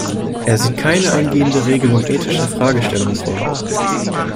Er sieht keine eingehende Regelung ethischer Fragestellungen vor.